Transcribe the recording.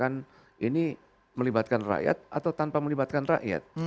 ini melibatkan rakyat atau tanpa melibatkan rakyat